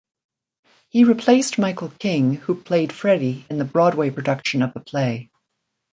He replaced Michael King who played Freddy in the Broadway production of the play.